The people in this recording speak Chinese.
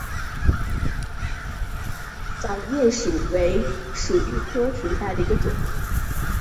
掌叶薯为薯蓣科薯蓣属下的一个种。